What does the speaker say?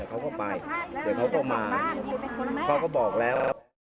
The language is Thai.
เขาก็ไปเดี๋ยวเขาก็มาเขาก็บอกแล้ว